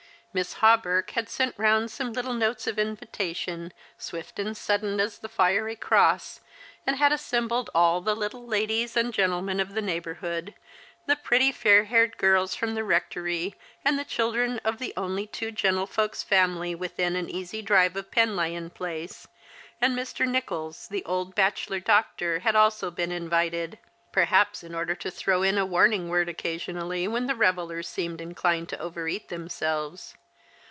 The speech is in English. Miss Hawberk had sent round some little notes of invitation, swift and sudden as the fierv cross, and had assembled all the little ladies and THE OLD BDTLER WAS SUSPECTED OF TREASONABLE PRACTICES. gentlemen of the neighbourhood, the pretty fair haired girls from the Eectory, and the children of the only two gentlefolk's families within an easy driye of Penlyon The Christmas Hirelings. 143 Place, and Mr. Nicholls, the old bachelor doctor, had also been invited ; perhaps in order to throw in a warning word occasionally when the revellers seemed inclined to over eat themselves.